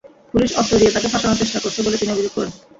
Police অস্ত্র দিয়ে তাঁকে ফাঁসানোর চেষ্টা করছে বলে তিনি অভিযোগ করেন।